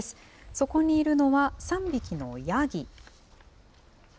そこにいるのは３匹のヤギ。